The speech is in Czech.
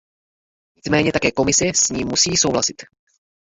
Nicméně také Komise s ním musí pomoci.